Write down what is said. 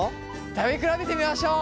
食べ比べてみましょう。